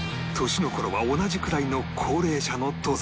年の頃は同じくらいの高齢者の登山客が